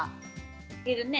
はけるね。